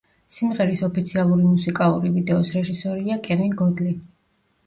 სიმღერის ოფიციალური მუსიკალური ვიდეოს რეჟისორია კევინ გოდლი.